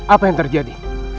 apa yang terjadi